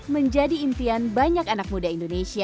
menjadi impian banyak anak muda indonesia